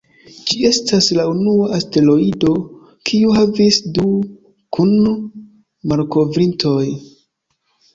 Ĝi estas la unua asteroido, kiu havis du kun-malkovrintoj.